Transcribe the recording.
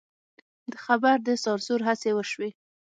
د خبر د سانسور هڅې وشوې.